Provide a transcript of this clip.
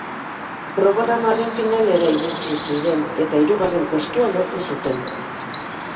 Programaren finalera iritsi ziren eta hirugarren postua lortu zuten.